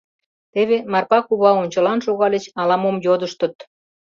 Теве Марпа кува ончылан шогальыч, ала-мом йодыштыт.